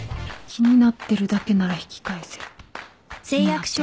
気になってるだけなら引き返せる。